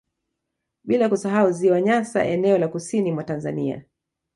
Bila kusahau ziwa Nyasa eneo la kusini mwa Tanzania